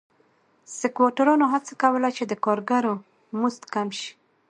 سکواټورانو هڅه کوله چې د کارګرو مزد کم شي.